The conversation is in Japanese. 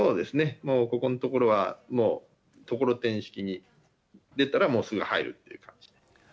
もうここのところは、もうところてん式に、出たらもうすぐ入るっていう感じ。